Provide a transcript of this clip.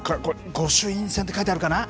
御朱印船って書いてあるかな？